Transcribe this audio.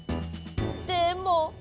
でも。